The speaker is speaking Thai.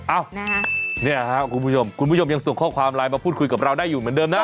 เอ้านะฮะเนี่ยครับคุณผู้ชมคุณผู้ชมยังส่งข้อความไลน์มาพูดคุยกับเราได้อยู่เหมือนเดิมนะ